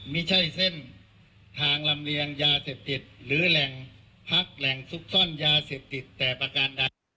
ไม่ใช่เส้นทางลำเลียงยาเสพติดหรือแหล่งพักแหล่งซุกซ่อนยาเสพติดแต่ประการใด